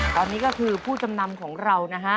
ตอนนี้ก็คือผู้จำนำของเรานะฮะ